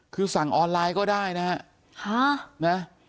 คือสั่งออนไลน์ก็ได้นะฮะ